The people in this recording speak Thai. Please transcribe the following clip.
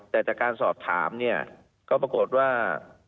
แต่จากการสอบถามเนี่ยก็ปรากฏว่า